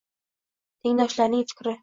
Tengdoshlarining fikri